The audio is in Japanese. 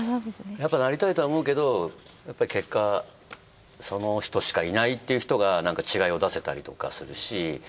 やっぱなりたいとは思うけど結果その人しかいないっていう人が違いを出せたりとかするし。